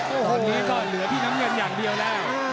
วันนี้ก็เหลือพี่น้ำเงินอย่างเดียวแล้ว